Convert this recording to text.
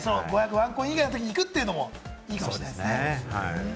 ワンコイン以外のときに行くっていうのもいいかもしれないですね。